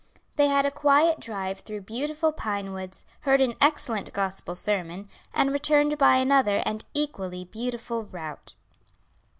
They had a quiet drive through beautiful pine woods, heard an excellent gospel sermon, and returned by another and equally beautiful route.